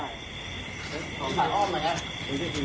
พี่สาวอ้อนไหมครับ